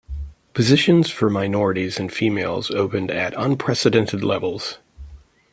Positions for minorities and females opened at unprecedented levels.